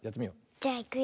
じゃいくよ。